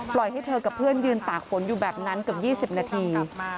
ปล่อยให้เธอกับเพื่อนยืนตากฝนอยู่แบบนั้นเกือบยี่สิบนาที